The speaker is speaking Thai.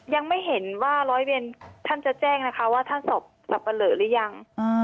ยังไม่เห็นว่าร้อยเวรท่านจะแจ้งนะคะว่าท่านสอบสับปะเหลอหรือยัง